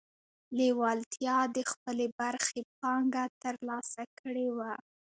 لېوالتیا د خپلې برخې پانګه ترلاسه کړې وه